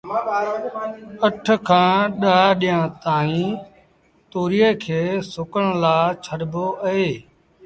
اَٺ کآݩ ڏآه ڏيݩهآݩ تائيٚݩ تُويئي کي سُڪڻ لآ ڇڏبو اهي